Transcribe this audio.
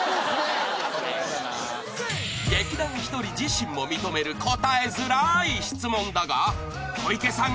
［劇団ひとり自身も認める答えづらい質問だが小池さん